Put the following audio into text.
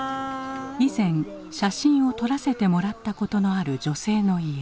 以前写真を撮らせてもらったことのある女性の家。